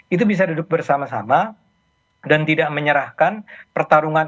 itu bisa duduk bersama sama dan tidak menyerahkan pertarungan